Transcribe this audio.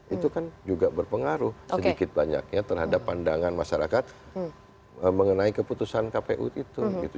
itu kan juga berpengaruh sedikit banyaknya terhadap pandangan masyarakat mengenai keputusan kpu itu